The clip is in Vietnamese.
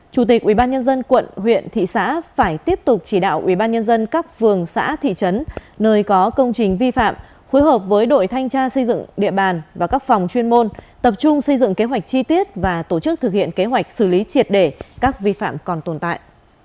chủ tịch ubnd quận huyện thị xã phải tiếp tục chỉ đạo ubnd các phường xã thị trấn nơi có công trình vi phạm phối hợp với đội thanh tra xây dựng địa bàn và các phòng chuyên môn tập trung xây dựng kế hoạch chi tiết và tổ chức thực hiện kế hoạch xử lý triệt để các vi phạm còn tồn tại